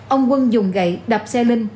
ông quân dùng gậy đập xe linh